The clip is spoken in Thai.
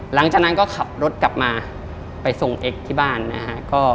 หลังจากนั้นก็ขับรถกลับมาไปส่งเอ็กซ์ที่บ้านนะฮะ